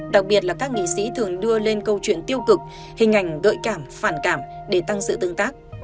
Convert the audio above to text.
đặc biệt là các nghị sĩ thường đưa lên câu chuyện tiêu cực hình ảnh gợi cảm phản cảm để tăng sự tương tác